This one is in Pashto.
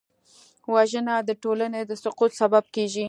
وژنه د ټولنې د سقوط سبب کېږي